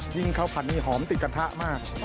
จริงข้าวพัดมีหอมติดกันทะมาก